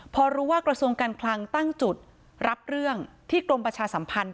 พอรู้ว่ากระทรวงการคลังตั้งจุดรับเรื่องที่กรมประชาสัมพันธ์